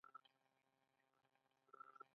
آیا فساد اقتصاد خراب کړی دی؟